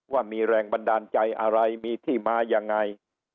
ว่ามีแรงบันดาลใจอะไรมีที่มายังไง